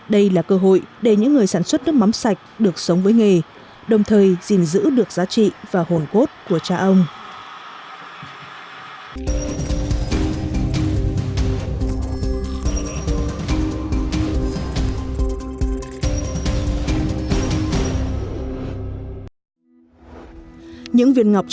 đây là cơ hội để những người sản xuất nước mắm sạch được sống với nghề đồng thời giữ được giá trị và hồn cốt của cha ông